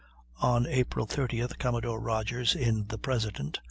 On April 30th Commodore Rodgers, in the President.